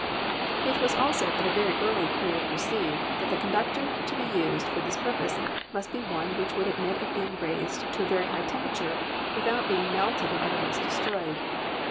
It was also at a HISTORY OF ELECTRIC LIGHTING 233 very early period perceived that the conductor to be used for this purpose must be one which would admit of being raised to a very high temperature without being melted or otherwise destroyed.